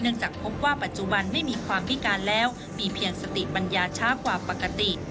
จากพบว่าปัจจุบันไม่มีความพิการแล้วมีเพียงสติปัญญาช้ากว่าปกติ